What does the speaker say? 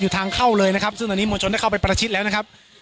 ทางเข้าเลยนะครับซึ่งตอนนี้มวลชนได้เข้าไปประชิดแล้วนะครับ